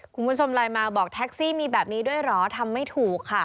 คุณผู้ชมไลน์มาบอกแท็กซี่มีแบบนี้ด้วยเหรอทำไม่ถูกค่ะ